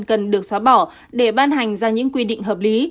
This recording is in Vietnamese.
cần được xóa bỏ để ban hành ra những quy định hợp lý